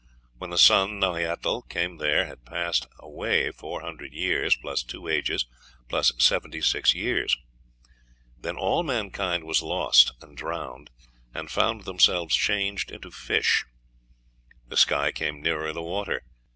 When the sun Nahui atl came there had passed away four hundred years, plus two ages, plus seventy six years. Then all mankind was lost and drowned, and found themselves changed into fish. The sky came nearer the water.